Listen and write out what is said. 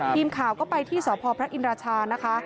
พิมพ์ข่าวก็ไปที่สพอินราชา